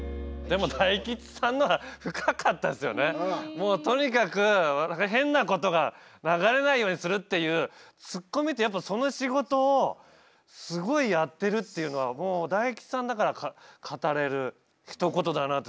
もうとにかく変なことが流れないようにするっていうツッコミってやっぱりその仕事をすごいやってるっていうのはもう大吉さんだから語れるひと言だなって。